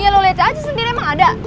iya lo lecah aja sendiri emang ada